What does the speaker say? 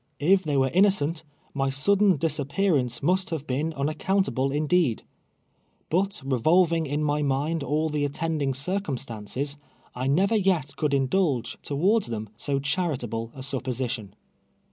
If they were innocent, my sudden disaj)})earance must have been miaccountable indeed; but revolv ing in my mind all the attending circumstances, I never yet could indulge, towards them, so charitable a supposition.